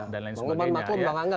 dan lain sebagainya